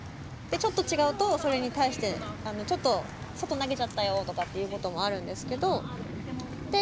ちょっと違うとそれに対してちょっと外投げちゃったよとかっていうこともあるんですけど。